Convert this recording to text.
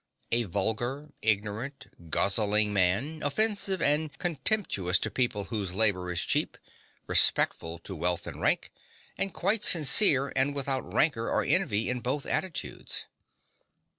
A vulgar, ignorant, guzzling man, offensive and contemptuous to people whose labor is cheap, respectful to wealth and rank, and quite sincere and without rancour or envy in both attitudes.